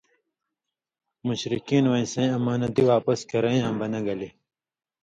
مشرکین وَیں سَیں امانتیۡ واپس کرَیں یاں بنہ گلے